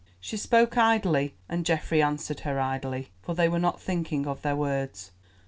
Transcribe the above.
She spoke idly and Geoffrey answered her idly, for they were not thinking of their words.